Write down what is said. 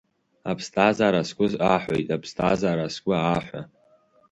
Аԥсҭазаара сгәы аҳәоит, аԥсҭазаара сгәы аҳәа!